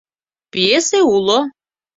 Пьесе уло!